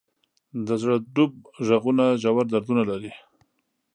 د زړه ډوب ږغونه ژور دردونه لري.